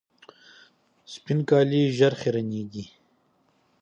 سپین کالي ژر خیرنېږي.